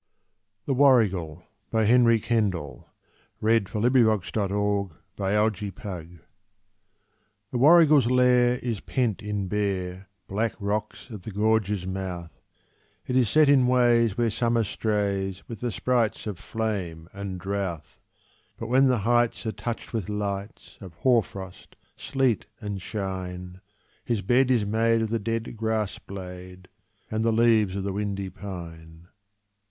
clasped a tree. The Warrigal * The Dingo, or Wild Dog of Australia. The warrigal's lair is pent in bare, Black rocks at the gorge's mouth; It is set in ways where Summer strays With the sprites of flame and drouth; But when the heights are touched with lights Of hoar frost, sleet, and shine, His bed is made of the dead grass blade And the leaves of the windy pine.